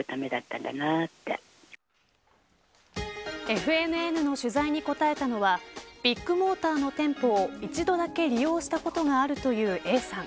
ＦＮＮの取材に応えたのはビッグモーターの店舗を一度だけ利用したことがあるというＡさん。